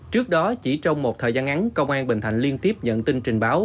trước đó chỉ trong một thời gian ngắn công an bình thạnh liên tiếp nhận tin trình báo